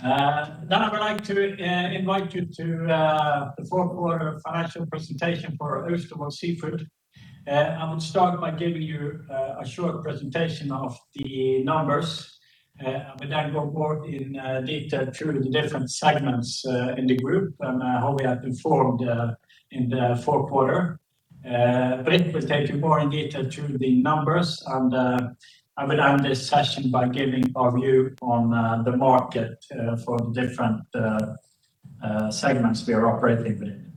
I would like to invite you to the fourth quarter financial presentation for Austevoll Seafood. I will start by giving you a short presentation of the numbers. We go more in detail through the different segments in the group and how we have performed in the fourth quarter. Britt will take you more in detail through the numbers, and I will end this session by giving our view on the market for the different segments we are operating within.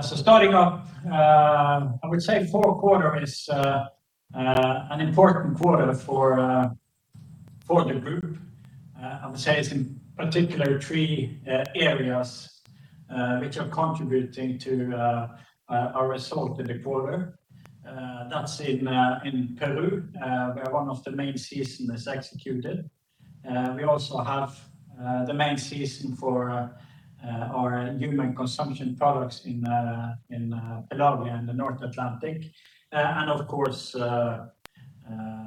Starting up, I would say fourth quarter is an important quarter for the group. I would say it's in particular three areas which are contributing to our result in the quarter. That's in Peru, where one of the main season is executed. We also have the main season for our human consumption products in Pelagia in the North Atlantic. Of course,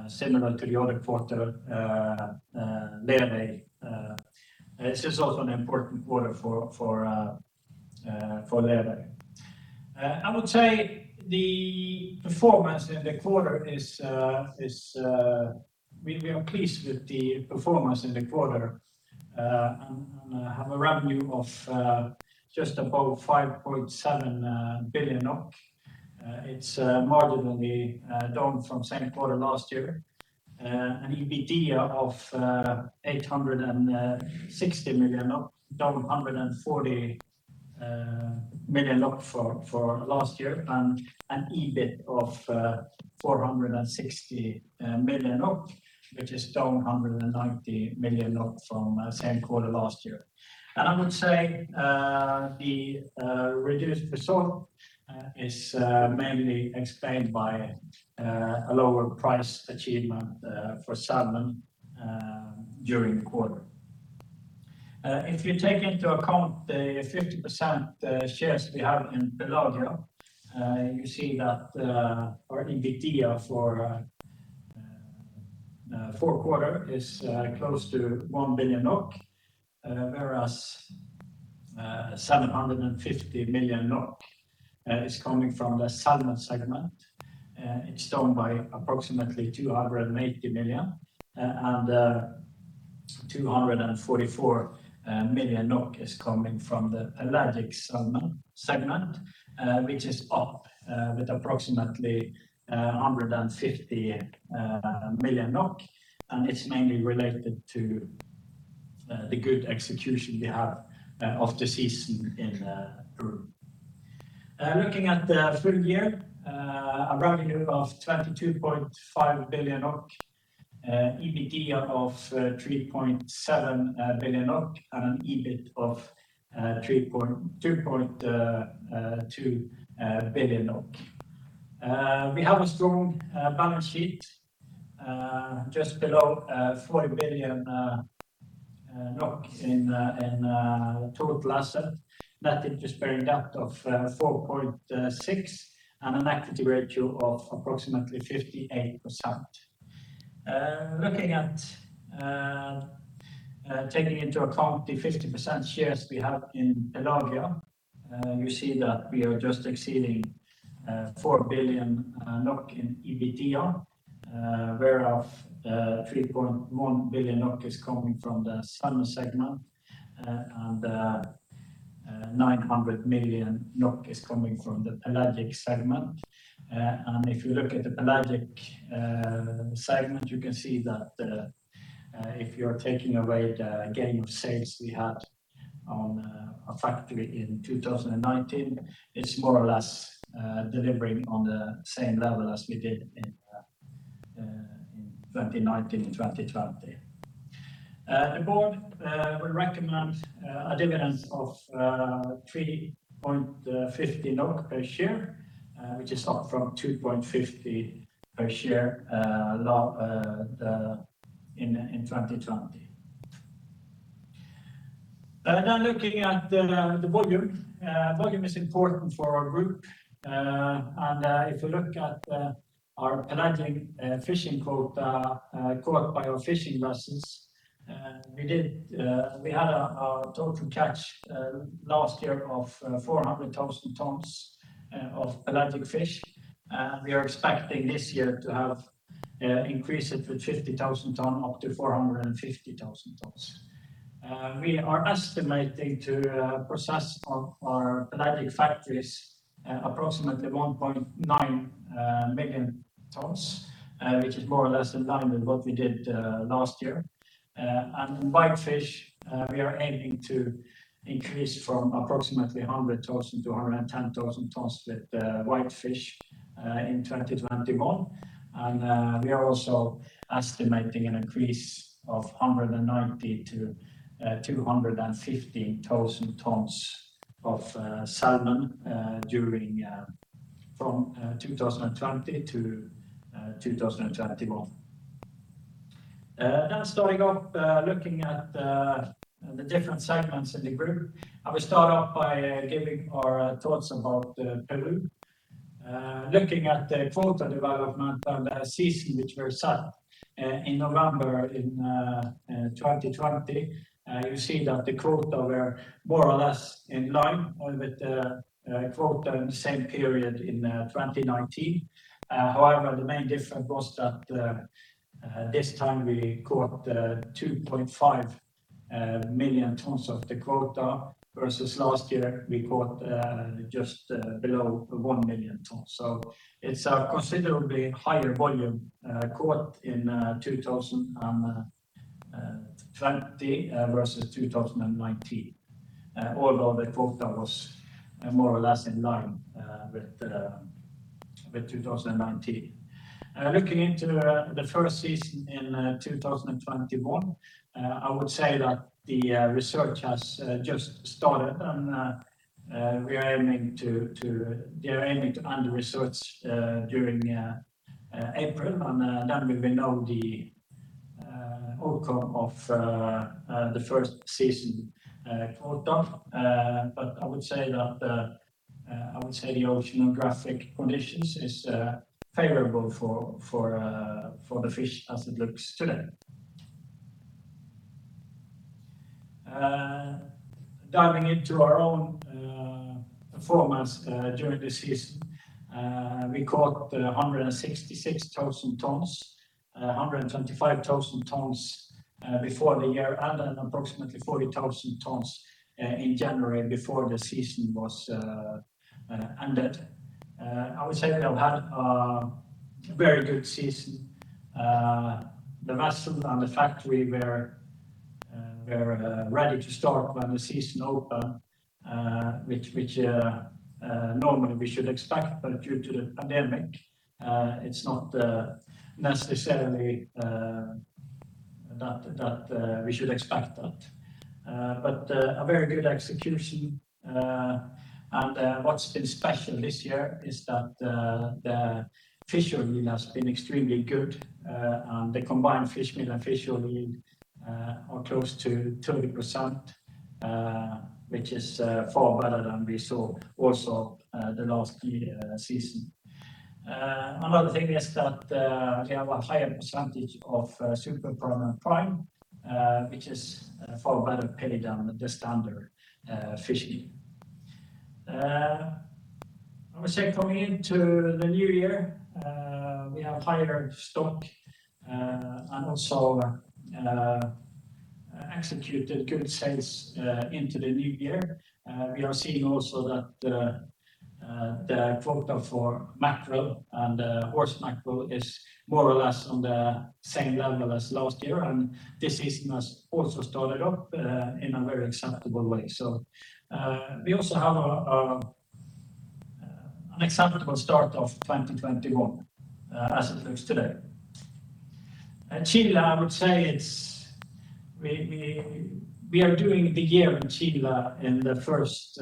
similar to the other quarter, Lerøy. This is also an important quarter for Lerøy. We are pleased with the performance in the quarter, have a revenue of just above 5.7 billion NOK. It's marginally down from same quarter last year. EBITDA of 860 million NOK, down 140 million NOK for last year, EBIT of 460 million NOK, which is down 190 million NOK from same quarter last year. I would say the reduced result is mainly explained by a lower price achievement for salmon during the quarter. If you take into account the 50% shares we have in Pelagia, you see that our EBITDA for fourth quarter is close to 1 billion NOK. 750 million NOK is coming from the salmon segment. It's down by approximately 280 million, 244 million NOK is coming from the Pelagic salmon segment, which is up with approximately 150 million NOK. It's mainly related to the good execution we have of the season in Peru. Looking at the full year, a revenue of 22.5 billion, EBITDA of NOK 3.7 billion, and an EBIT of 2.2 billion. We have a strong balance sheet, just below 40 billion NOK in total asset, net interest-bearing debt of 4.6 billion and an equity ratio of approximately 58%. Taking into account the 50% shares we have in Pelagia, you see that we are just exceeding 4 billion NOK in EBITDA, whereof 3.1 billion NOK is coming from the salmon segment, and 900 million NOK is coming from the Pelagic segment. If you look at the Pelagic segment, you can see that if you're taking away the gain of sales we had on a factory in 2019, it's more or less delivering on the same level as we did in 2019 and 2020. The board will recommend a dividend of 3.50 NOK per share, which is up from 2.50 per share in 2020. Now looking at the volume. Volume is important for our group. If you look at our pelagic fishing quota caught by our fishing vessels, we had a total catch last year of 400,000 tons of pelagic fish. We are expecting this year to have increased it with 50,000 ton up to 450,000 tons. We are estimating to process of our pelagic factories approximately 1.9 million tons, which is more or less in line with what we did last year. White fish, we are aiming to increase from approximately 100,000-110,000 tons with white fish in 2021. We are also estimating an increase of 190,000-215,000 tons of salmon from 2020 to 2021. Now starting up looking at the different segments in the group. I will start off by giving our thoughts about Peru. Looking at the quota development and season which were set in November in 2020, you see that the quota were more or less in line with the quota in the same period in 2019. However, the main difference was that this time we caught 2.5 million tons of the quota versus last year, we caught just below 1 million tons. It's a considerably higher volume caught in 2020 versus 2019. Although the quota was more or less in line with 2019. Looking into the first season in 2021, I would say that the research has just started, and they are aiming to end the research during April, and then we will know the outcome of the first season quota. I would say the oceanographic conditions is favorable for the fish as it looks today. Diving into our own performance during the season. We caught 166,000 tons, 125,000 tons before the year, and approximately 40,000 tons in January before the season ended. I would say they've had a very good season. The vessel and the factory were ready to start when the season opened, which normally we should expect, but due to the pandemic, it's not necessarily that we should expect that. A very good execution. What's been special this year is that the fish oil yield has been extremely good. The combined fish meal and fish oil yield are close to 30%, which is far better than we saw also the last season. Another thing is that we have a higher percentage of Super Premium Prime, which is far better paid than the standard fish meal. I would say coming into the new year, we have higher stock and also executed good sales into the new year. We are seeing also that the quota for mackerel and horse mackerel is more or less on the same level as last year. This season has also started up in a very acceptable way. We also have an acceptable start of 2021 as it looks today. Chile, I would say we are doing the year in Chile in the first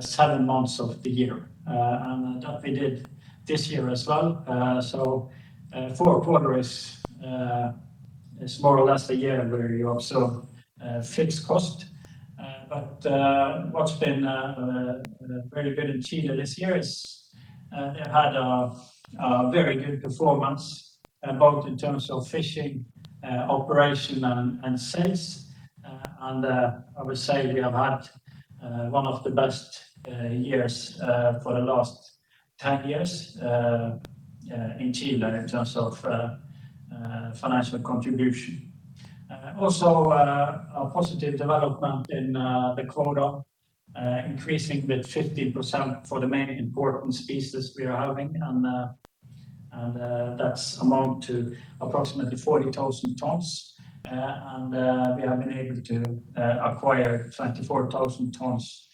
seven months of the year, and that we did this year as well. Fourth quarter is more or less a year where you also fix cost. What's been very good in Chile this year is they've had a very good performance both in terms of fishing operation and sales. I would say we have had one of the best years for the last 10 years in Chile in terms of financial contribution. A positive development in the quota increasing with 15% for the main important species we are having, and that's amount to approximately 40,000 tons. We have been able to acquire 24,000 tons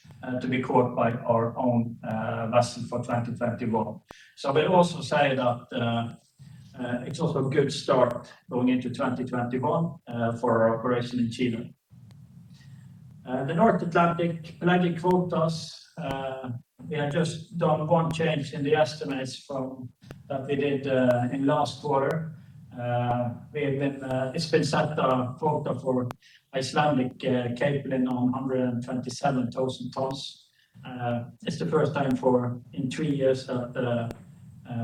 to be caught by our own vessel for 2021. We'll also say that it's also a good start going into 2021 for our operation in Chile. The North Atlantic quotas, we have just done one change in the estimates from that we did in last quarter. It's been set a quota for Icelandic capelin on 127,000 tons. It's the first time in three years that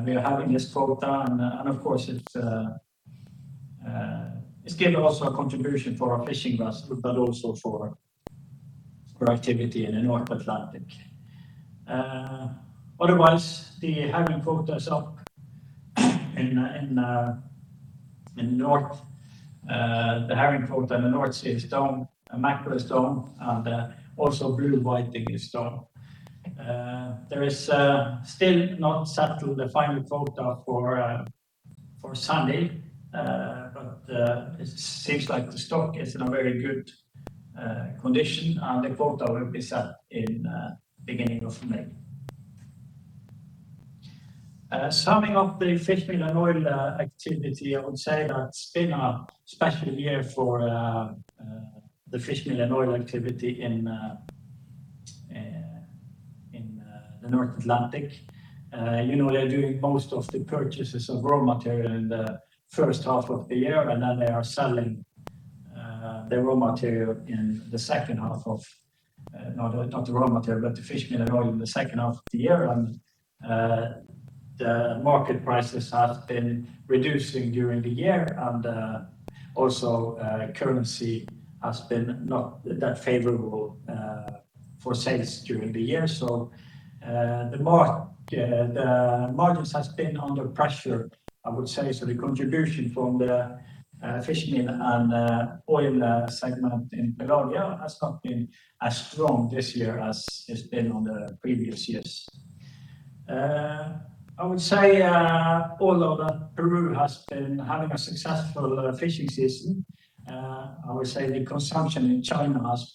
we are having this quota. Of course, it's given also a contribution for our fishing vessel, but also for productivity in the North Atlantic. Otherwise, the herring quota is up in the north. The herring quota in the North Sea is down, and mackerel is down, and also blue whiting is down. There is still not settled the final quota for sandeel, but it seems like the stock is in a very good condition, and the quota will be set in beginning of May. Summing up the fish meal and oil activity, I would say that it's been a special year for the fish meal and oil activity in the North Atlantic. They're doing most of the purchases of raw material in the first half of the year, and then they are selling Not the raw material, but the fish meal and oil in the second half of the year. The market prices have been reducing during the year, and also currency has been not that favorable for sales during the year. The margins have been under pressure, I would say. The contribution from the fishmeal and oil segment in Pelagia has not been as strong this year as it's been on the previous years. I would say although that Peru has been having a successful fishing season, I would say the consumption in China has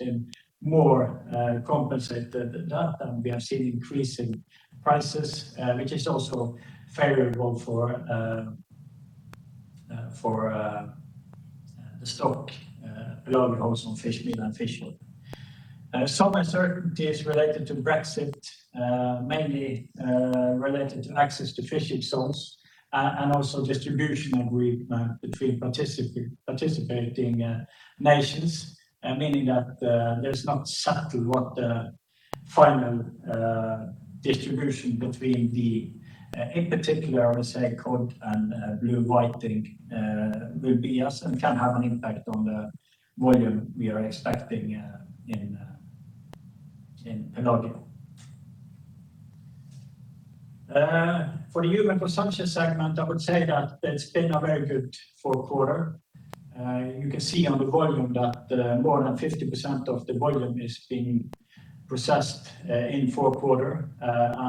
more compensated that, and we have seen increasing prices, which is also favorable for the stock Pelagia holds on fishmeal and fish oil. Some uncertainties related to Brexit, mainly related to access to fishing zones and also distribution agreement between participating nations. Meaning that it's not settled what the final distribution between the, in particular, I would say cod and blue whiting will be. Yes, can have an impact on the volume we are expecting in Pelagia. For the human consumption segment, I would say that it's been a very good fourth quarter. You can see on the volume that more than 50% of the volume is being processed in fourth quarter.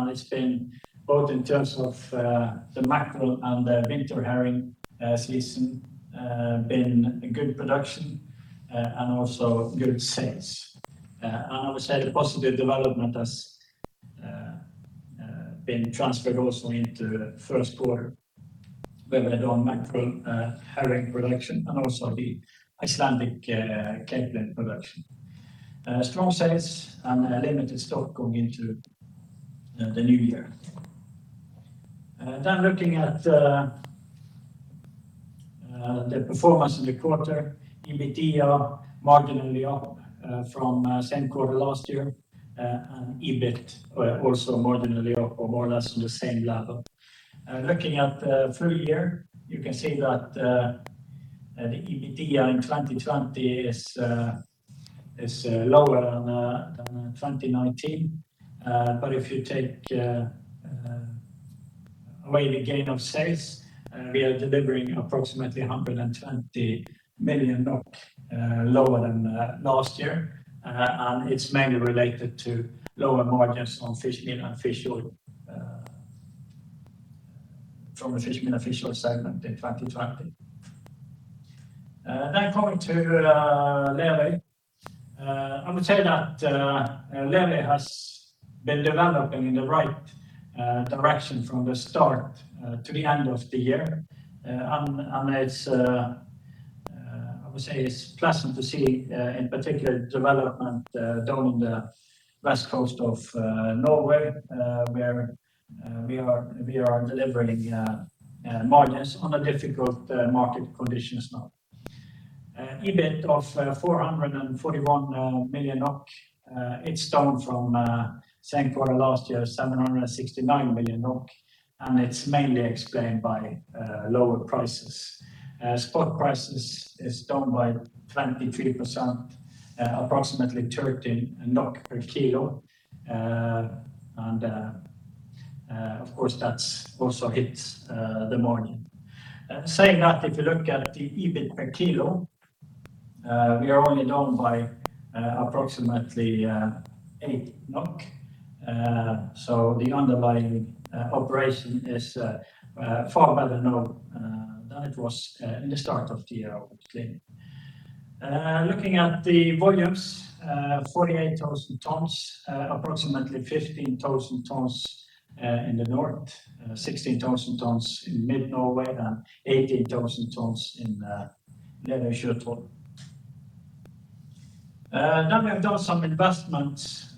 It's been, both in terms of the mackerel and the winter herring season, been good production and also good sales. I would say the positive development has been transferred also into first quarter where we had our mackerel herring production and also the Icelandic capelin production. Strong sales and limited stock going into the new year. Looking at the performance in the quarter, EBITDA marginally up from same quarter last year, EBIT also marginally up or more or less on the same level. Looking at the full year, you can see that the EBITDA in 2020 is lower than 2019. If you take away the gain of sales, we are delivering approximately 120 million NOK lower than last year. It's mainly related to lower margins on fishmeal and fish oil from the pelagic segment in 2020. Coming to Lerøy. I would say that Lerøy has been developing in the right direction from the start to the end of the year. I would say it's pleasant to see in particular development down the west coast of Norway, where we are delivering margins on a difficult market conditions now. EBIT of 441 million NOK. It's down from same quarter last year, 769 million NOK, it's mainly explained by lower prices. Spot prices is down by 23%, approximately NOK 30 per kilo. Of course that also hits the margin. Saying that, if you look at the EBIT per kilo, we are only down by approximately 8 NOK. The underlying operation is far better now than it was in the start of the year, obviously. Looking at the volumes, 48,000 tonnes, approximately 15,000 tonnes in the north, 16,000 tonnes in mid Norway, and 18,000 tonnes in Lerøy Sjøtroll. We have done some investments,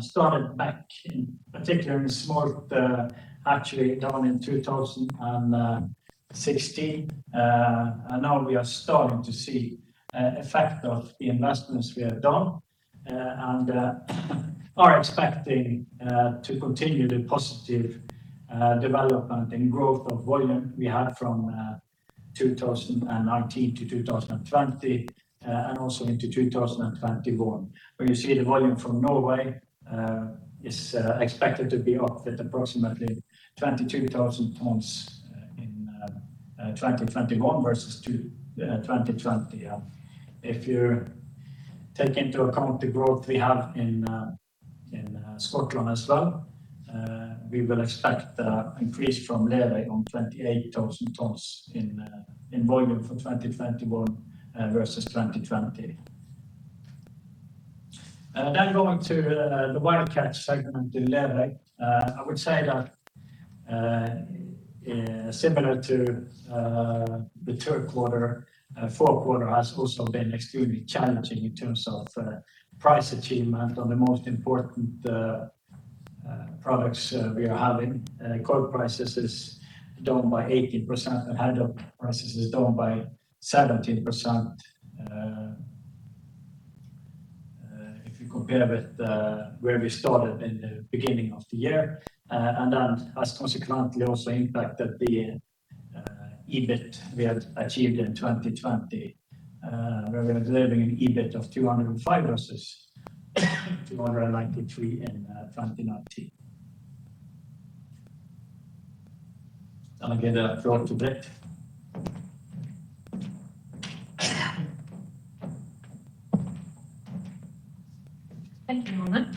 started back in, particularly in Smolt, actually down in 2016. Now we are starting to see effect of the investments we have done and are expecting to continue the positive development and growth of volume we had from 2019-2020, and also into 2021. When you see the volume from Norway is expected to be up at approximately 22,000 tonnes in 2021 versus 2020. If you take into account the growth we have in Scotland as well, we will expect increase from Lerøy on 28,000 tonnes in volume for 2021 versus 2020. Going to the wild catch segment in Lerøy. I would say that similar to the third quarter, fourth quarter has also been extremely challenging in terms of price achievement on the most important products we are having. Cod prices is down by 18% and haddock prices is down by 17%. If you compare with where we started in the beginning of the year. Consequently also impacted the EBIT we had achieved in 2020. We are delivering an EBIT of 205 versus 293 in 2019. I'll give the floor to Britt. Thank you, Arne.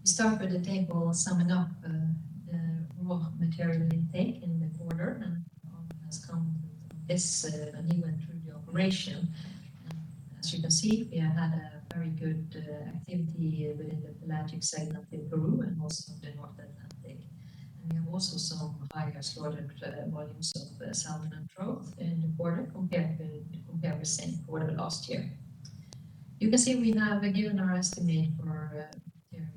We start with the table summing up the raw material intake in the quarter. Arne has gone through this and he went through the operation. As you can see, we have had a very good activity within the pelagic segment in Peru and also the North Atlantic. We have also some higher slaughtered volumes of salmon and trout in the quarter compared with same quarter last year. You can see we have given our estimate for year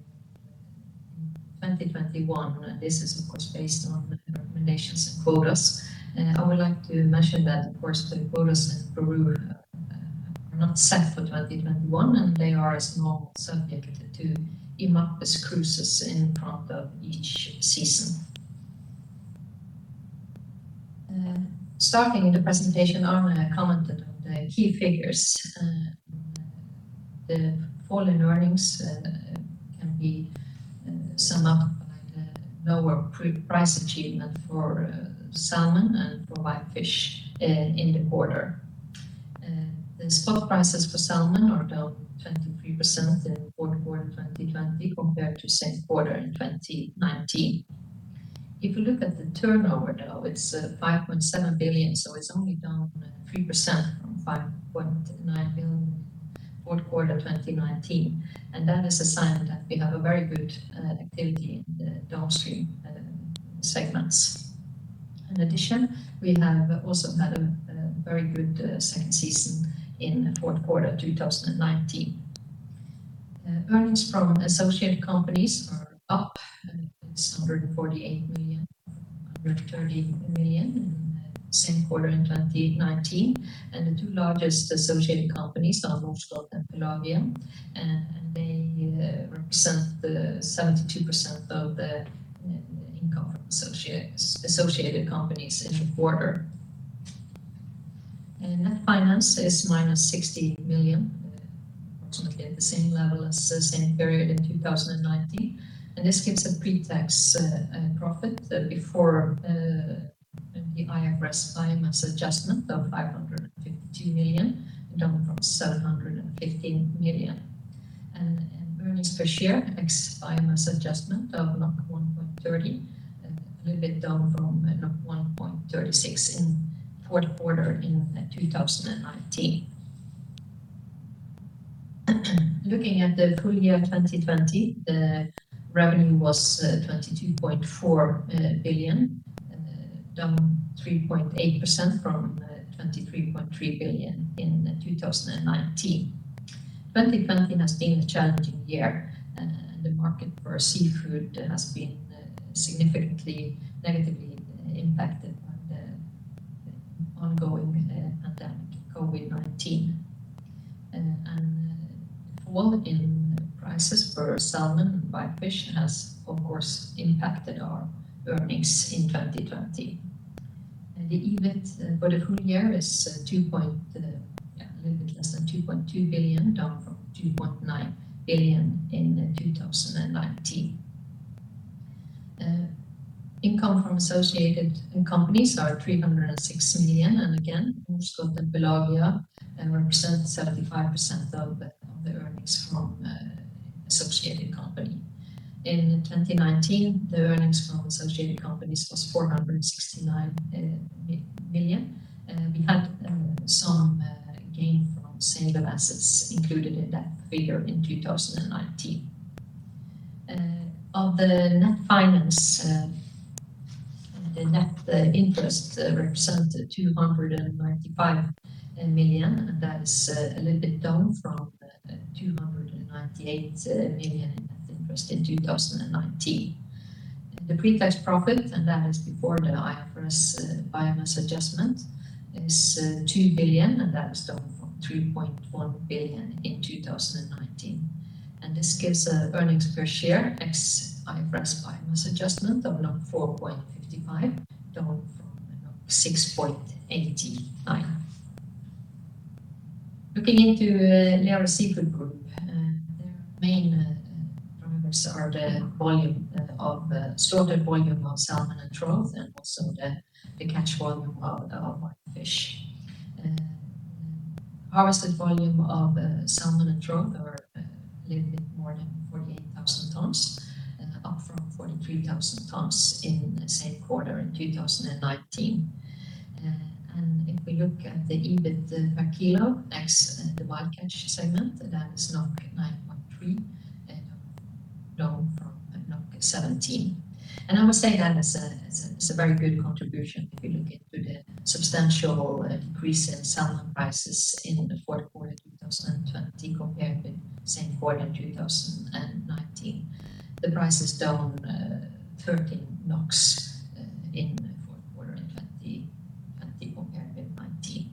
2021. This is of course based on the recommendations and quotas. I would like to mention that of course the quotas in Peru are not set for 2021 and they are as normal subjected to IMARPE cruises in front of each season. Starting the presentation, Arne commented on the key figures. The fall in earnings can be summed up by the lower price achievement for salmon and for whitefish in the quarter. The spot prices for salmon are down 23% in Q4 2020 compared to same quarter in 2019. If you look at the turnover though, it's 5.7 billion, so it's only down 3% from 5.9 billion Q4 2019. That is a sign that we have a very good activity in the downstream segments. In addition, we have also had a very good second season in Q4 2019. Earnings from associated companies are up. It's 148 million, 130 million in the same quarter in 2019. The two largest associated companies are Norskott and Pelagia, and they represent the 72% of the income from associated companies in the quarter. Net finance is minus 60 million, approximately at the same level as the same period in 2019. This gives a pre-tax profit before the IFRS biomass adjustment of 552 million, down from 715 million. Earnings per share ex biomass adjustment of 1.30 and a little bit down from 1.36 in Q4 2019. Looking at the full year 2020, the revenue was 22.4 billion, down 3.8% from 23.3 billion in 2019. 2020 has been a challenging year. The market for seafood has been significantly negatively impacted by the ongoing pandemic, COVID-19. The fall in prices for salmon and whitefish has of course impacted our earnings in 2020. The EBIT for the full year is a little bit less than 2.2 billion, down from 2.9 billion in 2019. Income from associated companies are 306 million. Again, Norskott and Pelagia represent 75% of the earnings from associated company. In 2019, the earnings from associated companies was 469 million. We had some gain from sale of assets included in that figure in 2019. Of the net finance, the net interest represented 295 million, and that is a little bit down from 298 million in net interest in 2019. The pre-tax profit, and that is before the IFRS biomass adjustment, is 2 billion, and that is down from 3.1 billion in 2019. This gives a earnings per share ex IFRS biomass adjustment of 4.55, down from 6.89. Looking into Lerøy Seafood Group, their main drivers are the slaughtered volume of salmon and trout, and also the catch volume of whitefish. Harvested volume of salmon and trout are a little bit more than 48,000 tons, up from 43,000 tons in the same quarter in 2019. If we look at the EBIT per kilo ex the wild catch segment, that is 99.3, down from 17. I would say that is a very good contribution if you look into the substantial increase in salmon prices in the fourth quarter of 2020 compared with the same quarter in 2019. The price is down 13 in the fourth quarter in 2020 compared with 2019.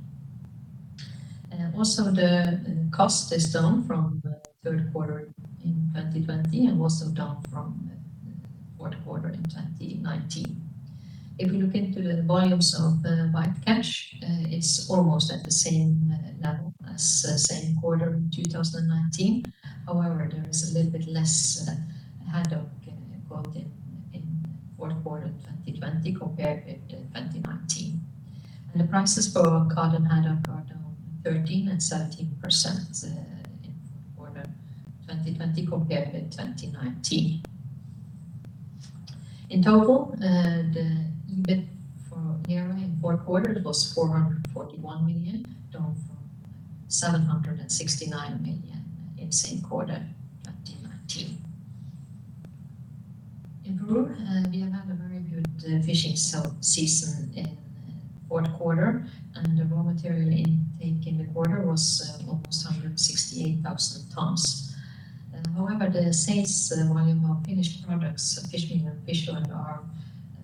Also, the cost is down from the third quarter in 2020, and also down from the fourth quarter in 2019. If you look into the volumes of the whitefish, it's almost at the same level as same quarter in 2019. However, there is a little bit less haddock caught in fourth quarter 2020 compared with 2019. The prices for cod and haddock are down 13% and 17% in fourth quarter 2020 compared with 2019. In total, the EBIT for Lerøy fourth quarter was 441 million, down from 769 million in the same quarter in 2019. In Peru, we have had a very good fishing season in the fourth quarter and the raw material intake in the quarter was almost 168,000 tons. The sales volume of finished products, fish meal and fish oil, are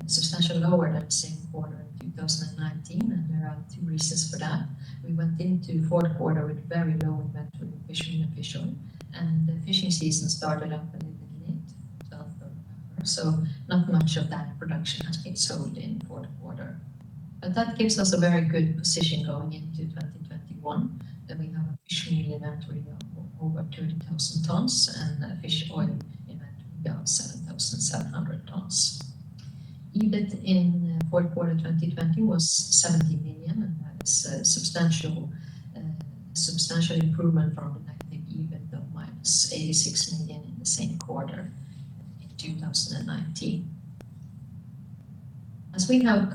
substantially lower than the same quarter in 2019 and there are two reasons for that. We went into fourth quarter with very low inventory of fish meal and fish oil and the fishing season started up a little bit late, 12th of November, so not much of that production has been sold in the fourth quarter. That gives us a very good position going into 2021. That we have a fish meal inventory of over 30,000 tons and a fish oil inventory of 7,700 tons. EBIT in fourth quarter 2020 was 70 million and that is a substantial improvement from the negative EBIT of -86 million in the same quarter in 2019. As we have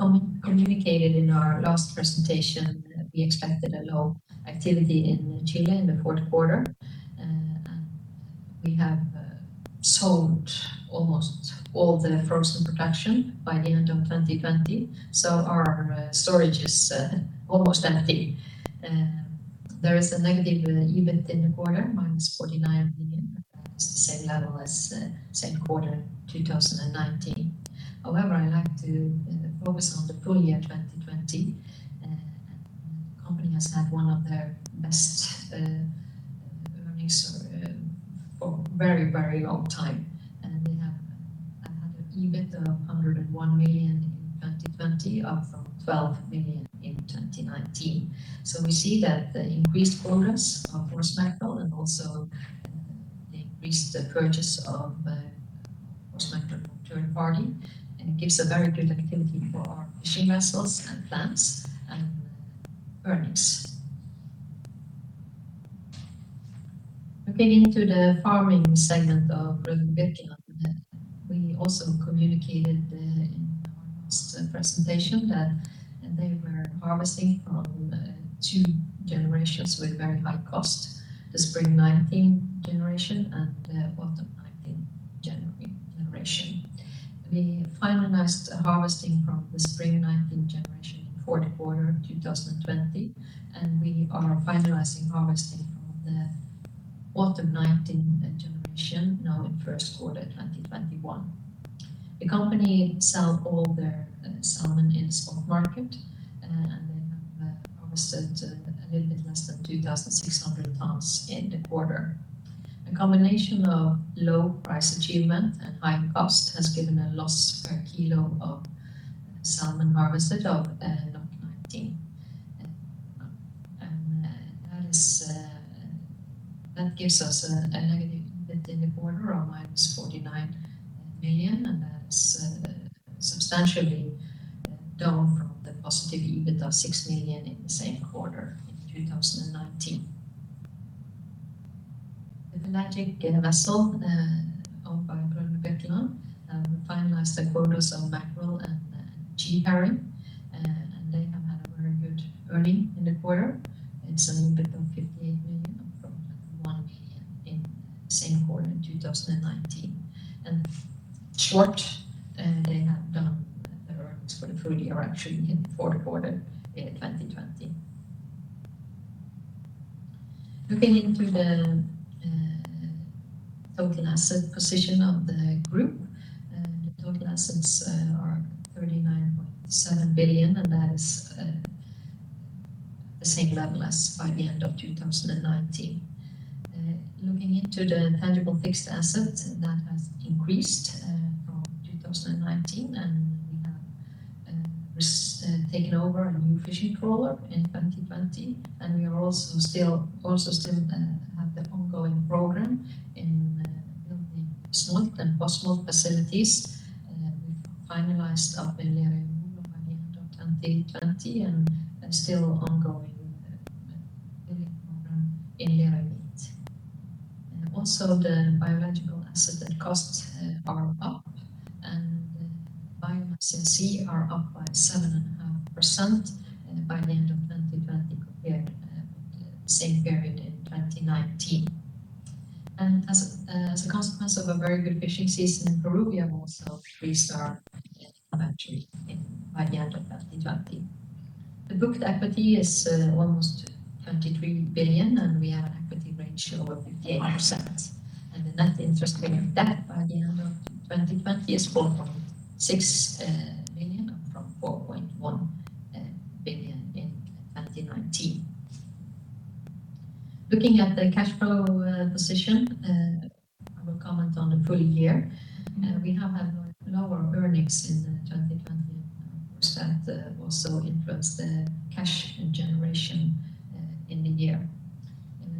communicated in our last presentation, we expected a low activity in Chile in the fourth quarter. We have sold almost all the frozen production by the end of 2020, so our storage is almost empty. There is a negative EBIT in the quarter, -49 million. That is the same level as same quarter in 2019. However, I like to focus on the full year 2020. The company has had one of their best earnings for a very long time and they have had an EBIT of 101 million in 2020, up from 12 million in 2019. We see that the increased quotas of horse mackerel and also the increased purchase of horse mackerel third party gives a very good activity for our fishing vessels and plants and earnings. Looking into the farming segment of Brødrene Birkeland, we also communicated in our last presentation that they were harvesting from two generations with very high cost, the spring 2019 generation and the autumn 2019 generation. We finalized the harvesting from the spring 2019 generation in fourth quarter of 2020 and we are finalizing harvesting from the autumn 2019 generation now in first quarter 2021. The company sell all their salmon in spot market and they have harvested a little bit less than 2,600 tons in the quarter. A combination of low price achievement and high cost has given a loss per kilo of salmon harvested of NOK 19. That gives us a negative EBIT in the quarter of -49 million and that is substantially down from the positive EBIT of 6 million in the same quarter in 2019. The pelagic vessel of Brødrene Birkeland finalized their quotas of mackerel NVG herring and they have had a very good earning in the quarter. It's an EBIT of 58 million from 1 million in the same quarter in 2019. In short, they have done their earnings for the full year actually in fourth quarter in 2020. Looking into the total asset position of the group. The total assets are 39.7 billion and that is the same level as by the end of 2019. Looking into the tangible fixed assets, that has increased from 2019 and we have taken over a new fishing trawler in 2020 and we also still have the ongoing program in building smolt and post-smolt facilities. We finalized up earlier in by the end of 2020 and still ongoing with the program in Area eight. The biological asset and costs You can see are up by 7.5% by the end of 2020 compared same period in 2019. As a consequence of a very good fishing season in Peru, we have also reached our by the end of 2020. The booked equity is almost 23 billion, and we have an equity ratio of 50%. The net interest bearing debt by the end of 2020 is 4.6 billion up from NOK 4.1 billion in 2019. Looking at the cash flow position, I will comment on the full year. We have had lower earnings in 2020. Of course, that also influenced the cash generation in the year.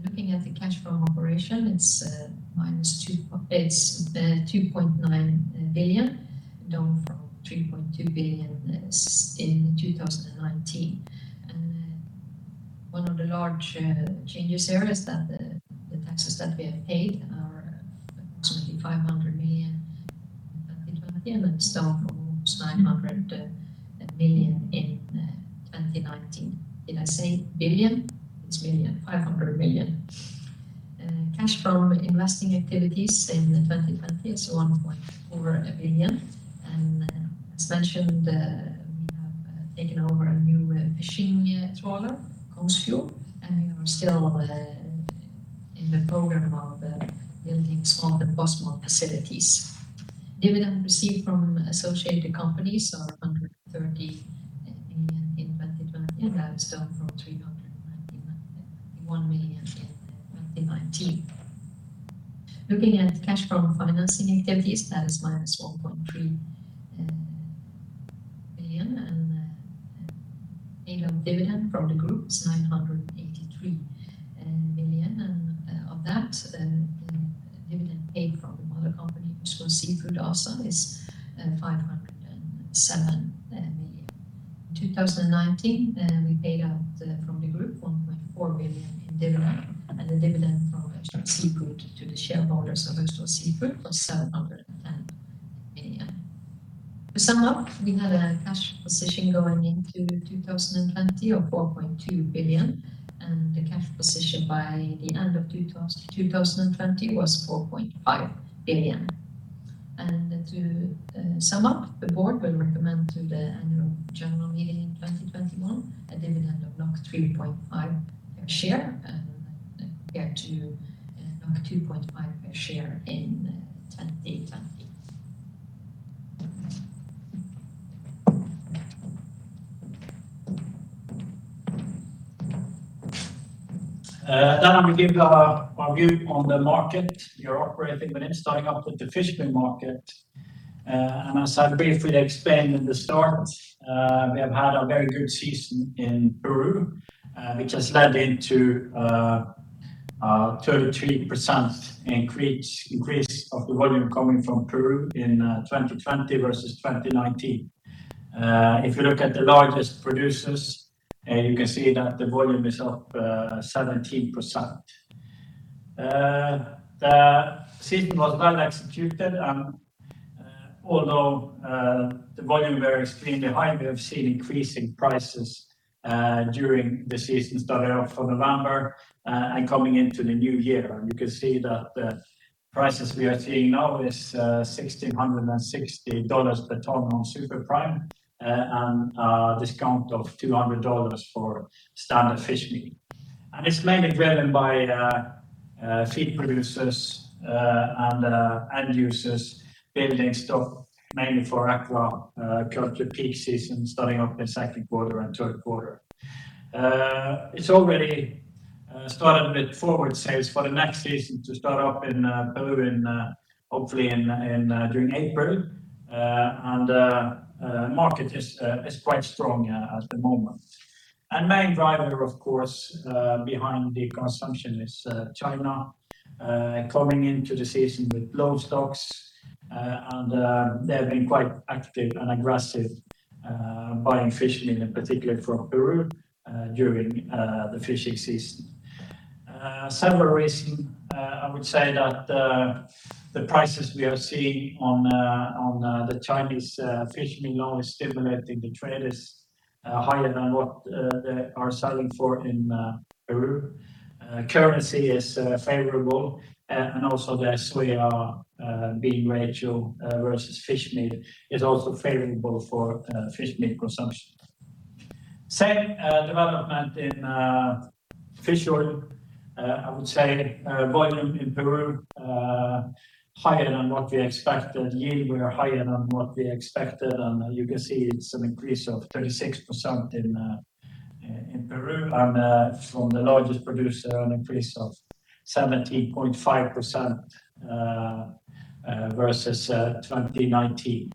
Looking at the cash from operation, it's 2.9 billion, down from 3.2 billion in 2019. One of the large changes here is that the taxes that we have paid are approximately NOK 500 million in 2020 and then down from almost 900 million in 2019. Did I say billion? It's million, 500 million. Cash from investing activities in 2020 is 1 point over a billion. As mentioned, we have taken over a new fishing trawler, Kongsfjord, and we are still in the program of building smolt and post-smolt facilities. Dividend received from associated companies are 130 million in 2020, and that is down from 391 million in 2019. Looking at cash from financing activities, that is minus 1.3 billion and payout dividend from the group is 983 million. Of that, dividend paid from the mother company, Austevoll Seafood ASA, is 507 million. In 2019, we paid out from the group 1.4 billion in dividend, and the dividend from Austevoll Seafood to the shareholders of Austevoll Seafood was NOK 710 million. To sum up, we had a cash position going into 2020 of 4.2 billion, and the cash position by the end of 2020 was 4.5 billion. To sum up, the board will recommend to the annual general meeting in 2021 a dividend of 3.5 per share and compared to 2.5 per share in 2020. I'm going to give you our view on the market we are operating within, starting up with the fish meal market. As I briefly explained in the start, we have had a very good season in Peru, which has led into a 33% increase of the volume coming from Peru in 2020 versus 2019. If you look at the largest producers, you can see that the volume is up 17%. The season was well executed, and although the volume were extremely high, we have seen increasing prices during the season starting off from November and coming into the new year. You can see that the prices we are seeing now is $1,660 per ton on super prime and a discount of $200 for standard fish meal. It's mainly driven by feed producers and end users building stock mainly for aqua cultured peak season starting up in second quarter and third quarter. It's already started with forward sales for the next season to start up in Peru hopefully during April. The market is quite strong at the moment. Main driver, of course, behind the consumption is China coming into the season with low stocks. They have been quite active and aggressive buying fish meal, in particular from Peru during the fishing season. Several reason, I would say that, the prices we are seeing on the Chinese fish meal now is stimulating the traders higher than what they are selling for in Peru. Currency is favorable and also the soy bean ratio versus fish meal is also favorable for fish meal consumption. Same development in fish oil. I would say volume in Peru higher than what we expected. Yield were higher than what we expected, and you can see it's an increase of 36% in Peru. From the largest producer, an increase of 17.5% versus 2019.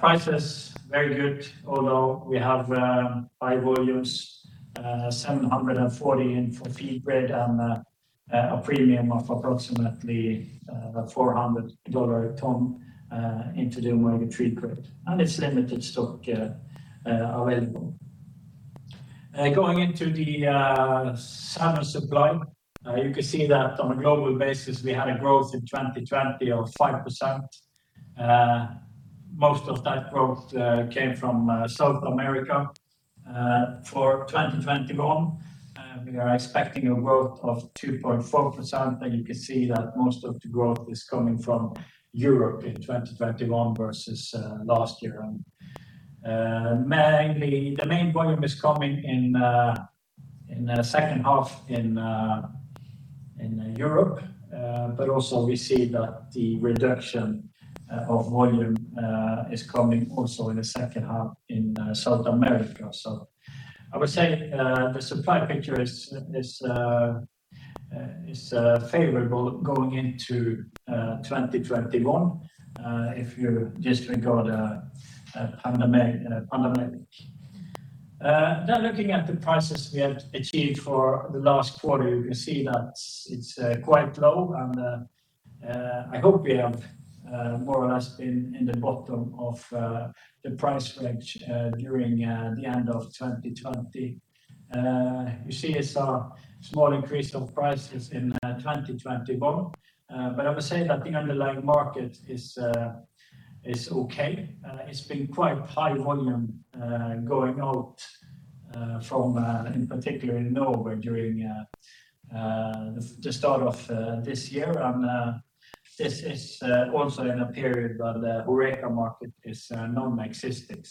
Prices very good, although we have high volumes, $740 in for feed grade and a premium of approximately about $400 a ton into the omega-3 grade. It's limited stock available. Going into the salmon supply, you can see that on a global basis, we had a growth in 2020 of 5%. Most of that growth came from South America. For 2021, we are expecting a growth of 2.4%, and you can see that most of the growth is coming from Europe in 2021 versus last year. The main volume is coming in the second half in Europe. Also we see that the reduction of volume is coming also in the second half in South America. I would say the supply picture is favorable going into 2021 if you disregard the pandemic. Looking at the prices we have achieved for the last quarter, you can see that it's quite low, and I hope we have more or less been in the bottom of the price range during the end of 2020. You see a small increase of prices in 2021. I would say that the underlying market is okay. It's been quite high volume going out from, in particular in November during the start of this year. This is also in a period where the HORECA market is non-existent.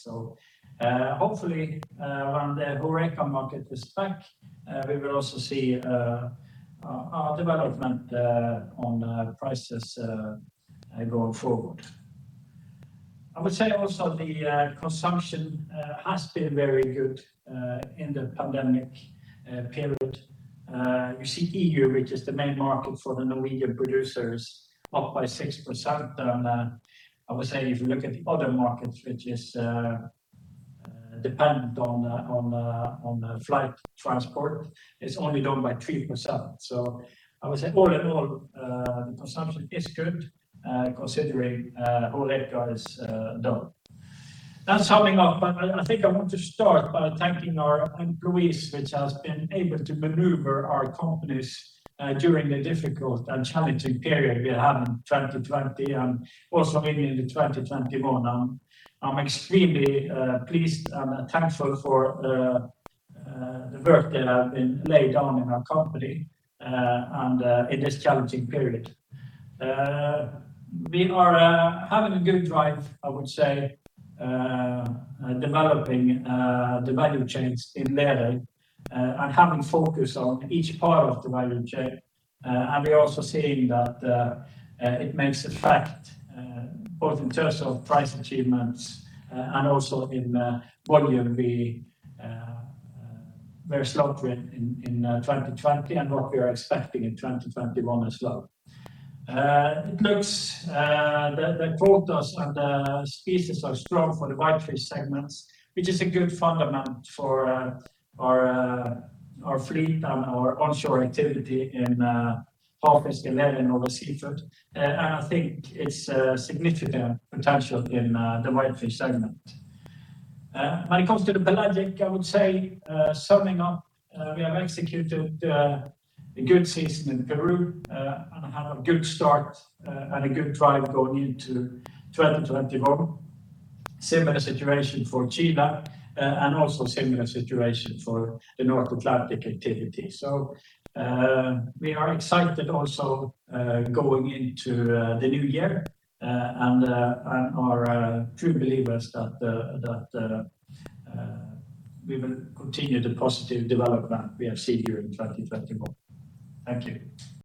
Hopefully, when the HORECA market is back, we will also see our development on prices going forward. I would say also the consumption has been very good in the pandemic period. You see EU, which is the main market for the Norwegian producers, up by 6%. I would say if you look at the other markets, which is dependent on flight transport, it's only down by 3%. I would say all in all, consumption is good considering HORECA is down. Summing up, I think I want to start by thanking our employees, which have been able to maneuver our companies during the difficult and challenging period we had in 2020 and also maybe into 2021. I'm extremely pleased and thankful for the work that has been laid on in our company and in this challenging period. We are having a good drive, I would say, developing the value chains in Lerøy and having focus on each part of the value chain. We are also seeing that it makes effect both in terms of price achievements and also in volume we were selling in 2020 and what we are expecting in 2021 as well. It looks the quotas and the species are strong for the whitefish segments, which is a good fundament for our fleet and our onshore activity in Havfisk, Lerøy, and Norway Seafoods. I think it's a significant potential in the whitefish segment. When it comes to the pelagic, I would say, summing up, we have executed a good season in Peru and had a good start and a good drive going into 2021. Similar situation for Chile and also similar situation for the North Atlantic activity. We are excited also going into the new year and are true believers that we will continue the positive development we have seen here in 2021. Thank you.